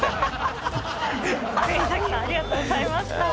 国崎さんありがとうございました。